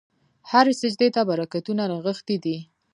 هره سجدې ته برکتونه نغښتي دي.